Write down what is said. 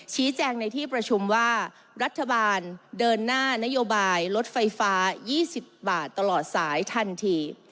ชี้แจงในที่ประชุมว่ารัฐบาลเดินหน้านโยบายลดไฟฟ้า๒๐บาทตลอดสายทันที